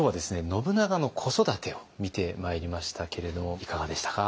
信長の子育てを見てまいりましたけれどいかがでしたか。